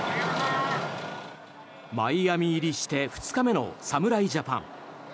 マイアミ入りして２日目の侍ジャパン。